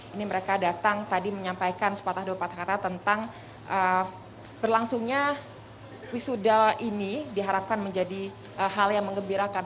ini mereka datang tadi menyampaikan sepatah dua patah kata tentang berlangsungnya wisuda ini diharapkan menjadi hal yang mengembirakan